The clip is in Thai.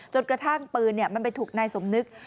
จนกระทั่งปืนมันไปถูกนายสมนึก